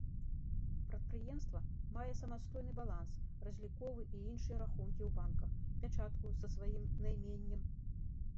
Прадпрыемства мае самастойны баланс, разліковы і іншыя рахункі ў банках, пячатку са сваім найменнем.